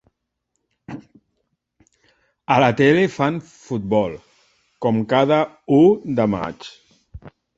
A la tele fan futbol, com cada u de maig.